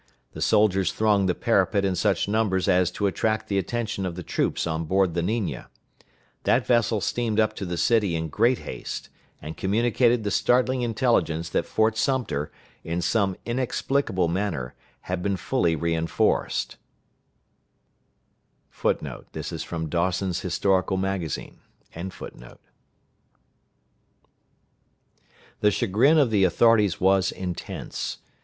The soldiers thronged the parapet in such numbers as to attract the attention of the troops on board the Niña. That vessel steamed up to the city in great haste, and communicated the startling intelligence that Fort Sumter, in some inexplicable manner, had been fully re enforced. The chagrin of the authorities was intense.